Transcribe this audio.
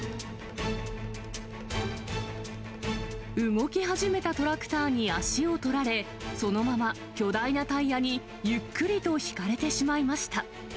動き始めたトラクターに足を取られ、そのまま巨大なタイヤにゆっくりとひかれてしまいました。